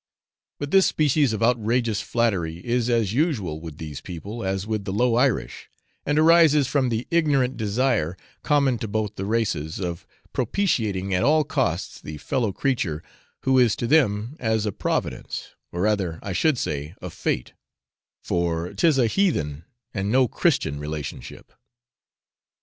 But this species of outrageous flattery is as usual with these people as with the low Irish, and arises from the ignorant desire, common to both the races, of propitiating at all costs the fellow creature who is to them as a Providence or rather, I should say, a fate for 't is a heathen and no Christian relationship.